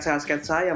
jadi kalau yang